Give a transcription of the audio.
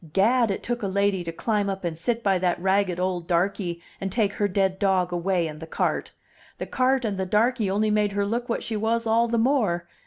Gad, it took a lady to climb up and sit by that ragged old darky and take her dead dog away in the cart! The cart and the darky only made her look what she was all the more.